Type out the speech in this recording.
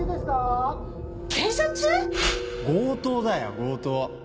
強盗だよ強盗。